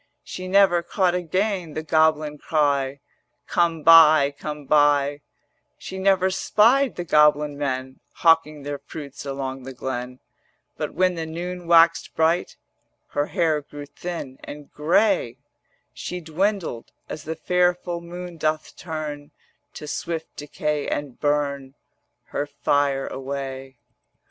She never caught again the goblin cry: 'Come buy, come buy;' She never spied the goblin men Hawking their fruits along the glen: But when the noon waxed bright Her hair grew thin and grey; She dwindled, as the fair full moon doth turn To swift decay and burn Her fire away.